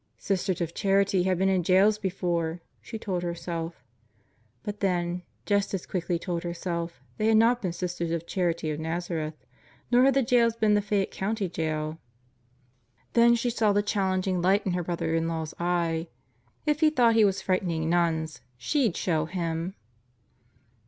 Sisters of Charity had been in jails before, she told herself; but then just as quickly told herself they had not been Sisters of Charity of Nazareth, nor had the jails been the Fayette County Jail. Then she saw the challenging light in her brother in law's eye. If he thought he was frightening nuns, she'd show him!